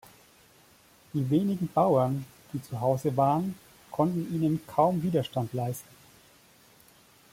Die wenigen Bauern, die zu Hause waren, konnten ihnen kaum Widerstand leisten.